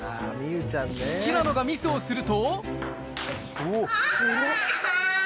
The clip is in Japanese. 平野がミスをすると。